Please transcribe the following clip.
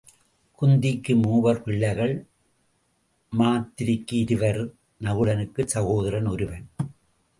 குந்திக்கு மூவர் பிள்ளைகள் மாத்திரிக்கு இருவர் நகுலனுக்குச் சகோதரன் ஒருவன்.